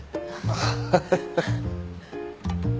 ああ。